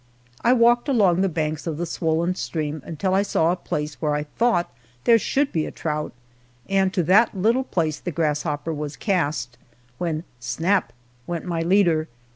I walked along the banks of the swollen stream until I saw a place where I thought there should be a trout, and to that little place the grasshopper was cast, when snap! went my leader.